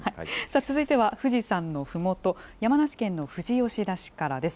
続いては富士山のふもと、山梨県の富士吉田市からです。